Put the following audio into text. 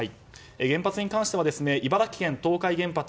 原発に関しては茨城県東海原発